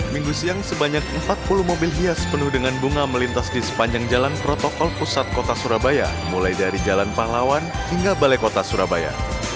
minggu siang sebanyak empat puluh mobil hias penuh dengan bunga melintas di sepanjang jalan protokol pusat kota surabaya mulai dari jalan pahlawan hingga balai kota surabaya